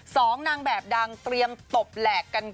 สองนางแบบดังเตรียมตบแหลกกันค่ะ